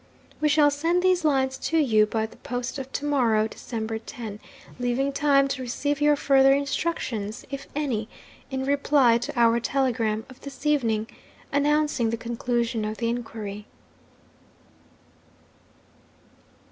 'We shall send these lines to you by the post of to morrow, December 10; leaving time to receive your further instructions (if any), in reply to our telegram of this evening announcing the conclusion of the inquiry.'